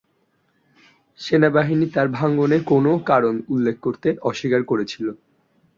সেনাবাহিনী তার ভাঙ্গনের কোনও কারণ উল্লেখ করতে অস্বীকার করেছিল।